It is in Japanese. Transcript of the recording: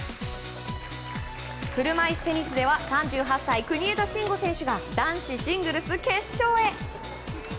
車いすテニスでは３８歳、国枝慎吾選手が男子シングルス決勝へ。